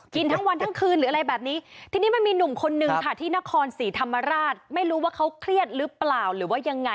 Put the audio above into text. ทั้งวันทั้งคืนหรืออะไรแบบนี้ทีนี้มันมีหนุ่มคนนึงค่ะที่นครศรีธรรมราชไม่รู้ว่าเขาเครียดหรือเปล่าหรือว่ายังไง